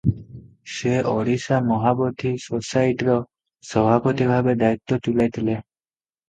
ସେ ଓଡ଼ିଶା ମହାବୋଧି ସୋସାଇଟିର ସଭାପତି ଭାବେ ଦାୟିତ୍ୱ ତୁଲାଇଥିଲେ ।